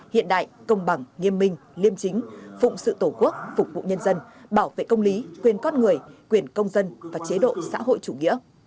hiện đại công bằng nghiêm minh liêm chính phụng sự tổ quốc phục vụ nhân dân bảo vệ công lý quyền con người quyền công dân và chế độ xã hội chủ nghĩa